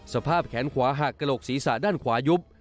สภาพแขนขวาหักกระโหลกศีรษะด้านขวายุบ